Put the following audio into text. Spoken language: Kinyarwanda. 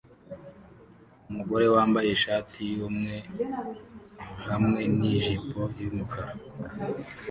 Umugore wambaye ishati yumye hamwe nijipo yumukara